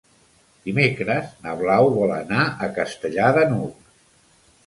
Dimecres na Blau vol anar a Castellar de n'Hug.